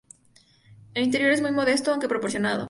El interior es muy modesto aunque proporcionado.